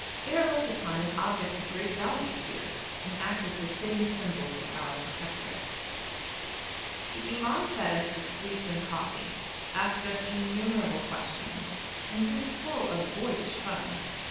They are looked upon as objects of great value here, and act as befitting symbols of our protectorate. The imam fed us with sweets and coffee, asked us innumerable questions, and seemed full of boyish fun.